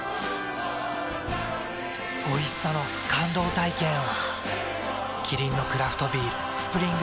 おいしさの感動体験を。